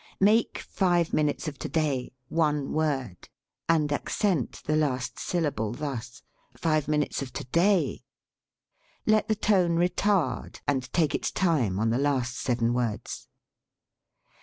Make "five minutes of to day" one word, and accent the last syllable, thus: five min utes of to day. Let the tone retard and take its time on the last seven words.